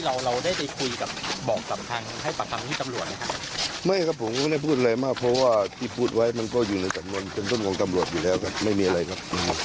เราเราได้ไปคุยกับบอกกับทางให้ปากคำที่ตำรวจนะครับไม่ครับผมก็ไม่ได้พูดอะไรมากเพราะว่าที่พูดไว้มันก็อยู่ในสำนวนเป็นต้นของตำรวจอยู่แล้วครับไม่มีอะไรครับ